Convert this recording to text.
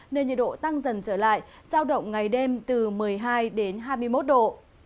nên nhiệt độ tăng dần trở lại giao động ngày đêm từ một mươi hai đến hai mươi một độ